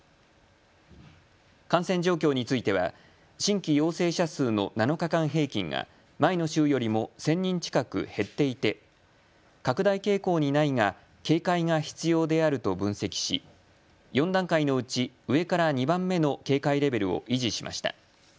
感染状況については新規陽性者数の７日間平均が前の週よりも１０００人近く減っていて拡大傾向にないが警戒が必要であると分析し４段階のうち上から２番目の警戒レベルを維持しました。